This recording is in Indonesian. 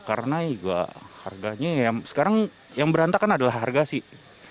karena harganya ya sekarang yang berantakan adalah harga sih